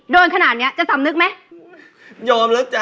โดนขนาดเนี้ยจะต่ำนึกไหม